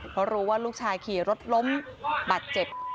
เพราะรู้ว่าลูกชายขี่รถล้มบาดเจ็บ